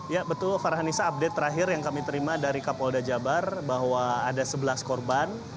ya betul farhanisa update terakhir yang kami terima dari kapolda jabar bahwa ada sebelas korban